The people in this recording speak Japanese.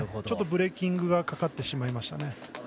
ちょっとブレーキングがかかってしまいましたね。